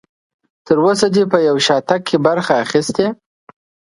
تر اوسه دې په یو شاتګ کې برخه اخیستې؟